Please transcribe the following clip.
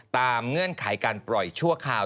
เงื่อนไขการปล่อยชั่วคราว